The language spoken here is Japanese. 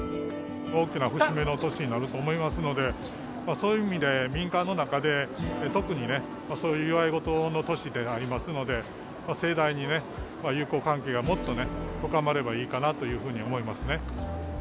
大きな節目の年になると思いますので、そういう意味で、民間の中で特にそういう祝い事の年でありますので、盛大にね、友好関係がもっと深まればいいかなというふうに思いますね。